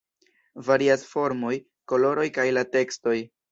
Varias formoj, koloroj kaj la tekstoj.